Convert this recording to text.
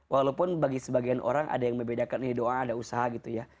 walaupun bagi sebagian orang ada yang membedakan ini doa ada usaha gitu ya